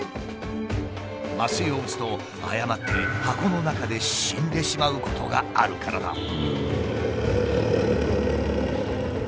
麻酔を打つと誤って箱の中で死んでしまうことがあるからだ。